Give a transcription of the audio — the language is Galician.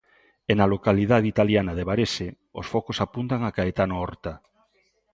E na localidade italiana de Varese, os focos apuntan a Caetano Horta.